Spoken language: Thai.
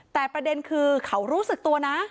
แต่ประเด็นคือเขารู้สึกตัวนะ